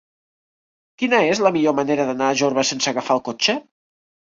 Quina és la millor manera d'anar a Jorba sense agafar el cotxe?